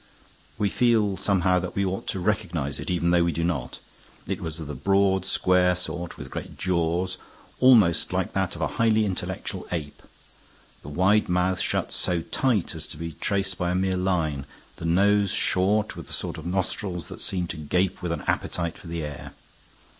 We feel, somehow, that we ought to recognize it, even though we do not. It was of the broad, square sort with great jaws, almost like that of a highly intellectual ape; the wide mouth shut so tight as to be traced by a mere line; the nose short with the sort of nostrils that seem to gape with an appetite for the air.